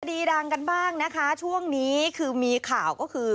ดีดังกันบ้างนะคะช่วงนี้คือมีข่าวก็คือ